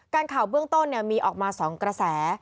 ข่าวเบื้องต้นมีออกมา๒กระแส